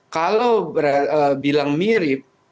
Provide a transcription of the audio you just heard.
kalau bilang mirip